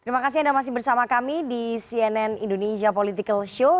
terima kasih anda masih bersama kami di cnn indonesia political show